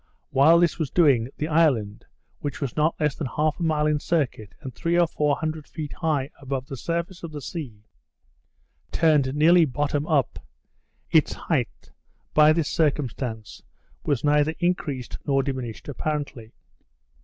While this was doing, the island, which was not less than half a mile in circuit, and three or four hundred feet high above the surface of the sea, turned nearly bottom up. Its height, by this circumstance, was neither increased nor diminished apparently.